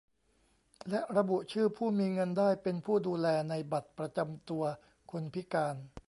และระบุชื่อผู้มีเงินได้เป็นผู้ดูแลในบัตรประจำตัวคนพิการ